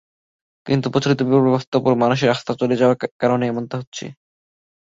কিন্তু প্রচলিত বিচারব্যবস্থার ওপর মানুষের আস্থা চলে যাওয়ার কারণে এমনটা ঘটছে।